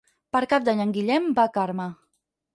Per Cap d'Any en Guillem va a Carme.